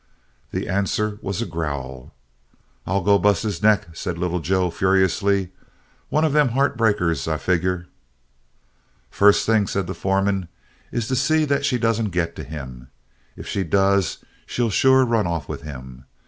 The answer was a growl. "I'll go bust his neck," said Little Joe furiously. "One of them heart breakers, I figure." "First thing," said the foreman, "is to see that she don't get to him. If she does, she'll sure run off with him.